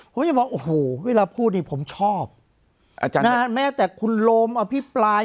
ผมจะบอกโอ้โหเวลาพูดนี่ผมชอบอาจารย์แม้แต่คุณโรมอภิปราย